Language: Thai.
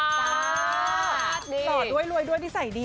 ต่อด้วยรวยด้วยนิสัยดี